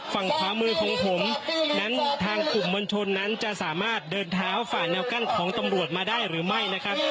ฝั่งขวามือของผมนั้นทางกลุ่มมวลชนนั้นจะสามารถเดินเท้าฝ่าแนวกั้นของตำรวจมาได้หรือไม่นะครับ